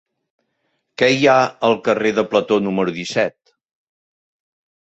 Què hi ha al carrer de Plató número disset?